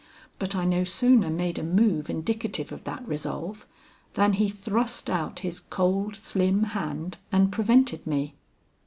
But I no sooner made a move indicative of that resolve, than he thrust out his cold slim hand and prevented me.